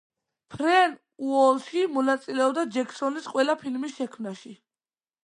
ფრენ უოლში მონაწილეობდა ჯექსონის ყველა ფილმის შექმნაში.